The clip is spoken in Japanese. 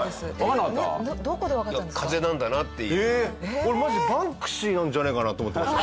俺マジでバンクシーなんじゃないかなって思ってました。